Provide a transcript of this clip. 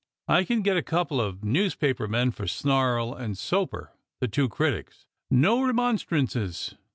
I can get a couple of newsjjaper men for Snarl and Soaper, the two critics. No remonstrances.